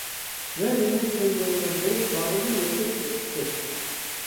ۋە يەنە كۆل بويىغا بېرىپ باغرىنى يېقىپ يېتىپتۇ.